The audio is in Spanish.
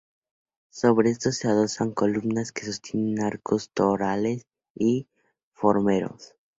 Sobre estos se adosan columnas que sostienen arcos torales y formeros.